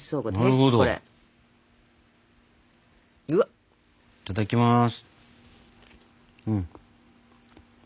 いただきます。